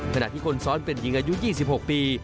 ขณะที่คนซ้อนเป็นหญิงอายุ๒๖ปี